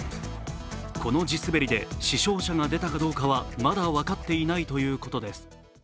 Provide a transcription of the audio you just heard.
この地滑りで死傷者が出たかどうかはまだ分かっていないということです。